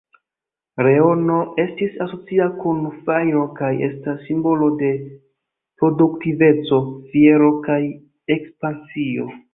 Leono estis asocia kun fajro kaj estas simbolo de produktiveco, fiero, kaj ekspansio.